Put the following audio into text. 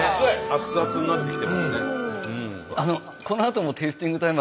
アツアツになってきてますね。